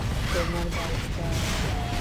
তোমার বাইরে যাওয়া উচিত।